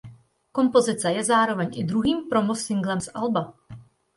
Kompozice je zároveň i druhým promo singlem z alba.